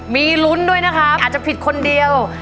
มีลุ้นด้วยนะครับอาจจะผิดคนเดียว